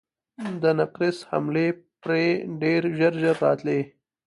د نقرس حملې پرې ډېر ژر ژر راتلې.